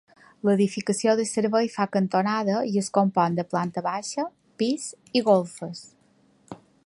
L'edificació de servei fa cantonada i es compon de planta baixa, pis i golfes.